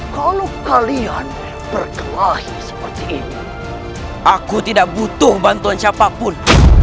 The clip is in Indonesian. kalau kalian berkelahi seperti ini aku tidak butuh bantuan siapapun